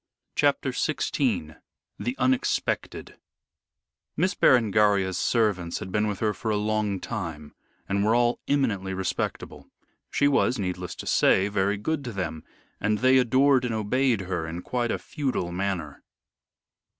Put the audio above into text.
CHAPTER XVI THE UNEXPECTED Miss Berengaria's servants had been with her for a long time and were all eminently respectable. She was needless to say very good to them, and they adored and obeyed her in quite a feudal manner.